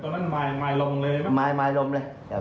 ตอนนั้นไม้ลมเลยเหรอครับ